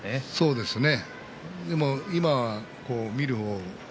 そうですか。